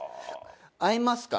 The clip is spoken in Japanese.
「会えますか？」